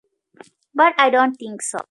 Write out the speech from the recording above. But I don't think so.